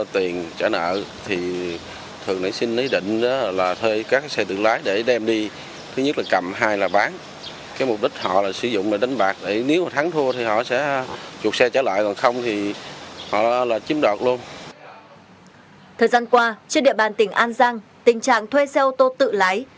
thời gian qua trên địa bàn tỉnh an giang tình trạng thuê xe ô tô tự lái